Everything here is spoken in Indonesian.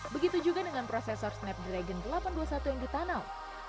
begitu juga dengan prosesor snap dragon delapan ratus dua puluh satu yang ditanam